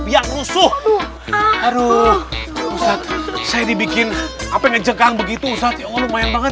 biang rusuh aduh saya dibikin apa yang jengkang begitu saat yang lumayan banget